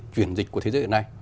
chuyển dịch của thế giới hiện nay